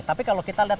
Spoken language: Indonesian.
tapi kalau kita lihat